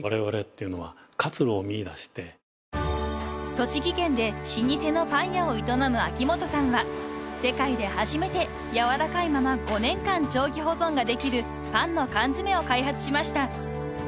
［栃木県で老舗のパン屋を営む秋元さんは世界で初めてやわらかいまま５年間長期保存ができるパンの缶詰を開発しました］